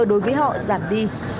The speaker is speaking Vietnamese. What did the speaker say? đối với họ giảm đi